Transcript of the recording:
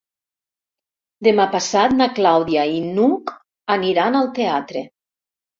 Demà passat na Clàudia i n'Hug aniran al teatre.